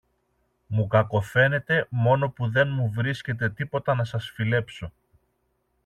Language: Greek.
Μου κακοφαίνεται μόνο που δε μου βρίσκεται τίποτα να σας φιλέψω